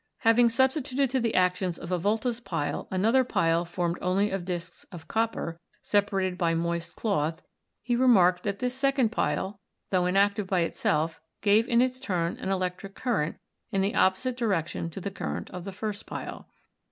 Having substituted to the actions of a Volta's pile another pile formed only of disks of copper, separated by moist cloth, he remarked that this second pile, though inactive by itself, gave in its turn an electric current, in the opposite direction to the current of the first pile.